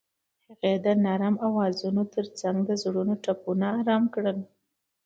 هغې د نرم اوازونو ترڅنګ د زړونو ټپونه آرام کړل.